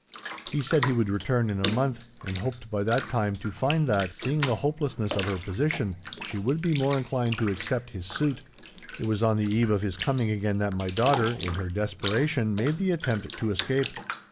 He said he would return in a month, and hoped by that time to find that, seeing the hopelessness of her position, she would be more inclined to accept his suit. "'It was on the eve of his coming again that my daughter, in her desperation, made the attempt to escape.